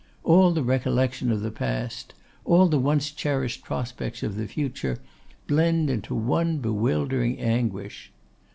All the recollection of the past, all the once cherished prospects of the future, blend into one bewildering anguish.